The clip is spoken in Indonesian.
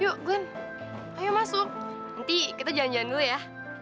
yuk glenn ayo masuk nanti kita jalan jalan dulu ya